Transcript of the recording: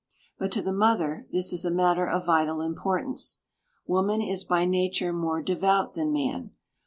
But to the mother this is a matter of vital importance. Woman is by nature more devout than man.